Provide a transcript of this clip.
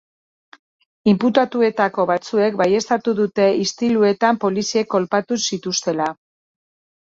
Inputatuetako batzuek baieztatu dute istiluetan poliziek kolpatu zituztela.